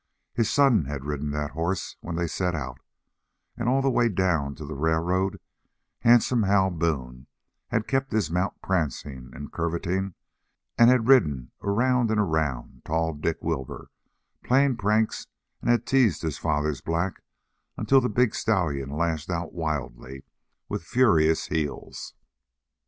His son had ridden that horse when they set out, and all the way down to the railroad Handsome Hal Boone had kept his mount prancing and curveting and had ridden around and around tall Dick Wilbur, playing pranks, and had teased his father's black until the big stallion lashed out wildly with furious heels.